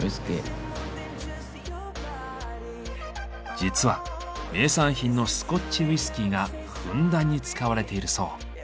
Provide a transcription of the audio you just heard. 実は名産品のスコッチウイスキーがふんだんに使われているそう。